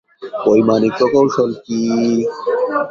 বৈমানিক প্রকৌশল কি?